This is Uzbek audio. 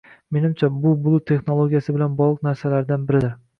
Menimcha, bu bulut texnologiyasi bilan bogʻliq narsalardan biridir.